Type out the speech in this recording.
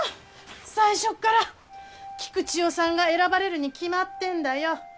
最初から菊千代さんが選ばれるに決まってんだよ。